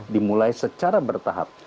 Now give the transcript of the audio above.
dimulai secara bertahap